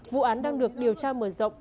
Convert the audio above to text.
vụ án đang được điều tra mở rộng